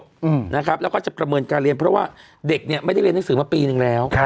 อืมนะครับแล้วก็จะประเมินการเรียนเพราะว่าเด็กเนี่ยไม่ได้เรียนหนังสือมาปีนึงแล้วครับ